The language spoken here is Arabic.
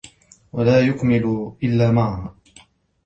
وَلَا يَكْمُلُ إلَّا مَعَهَا